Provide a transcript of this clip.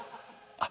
あっ。